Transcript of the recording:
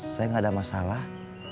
saya gak ada masalah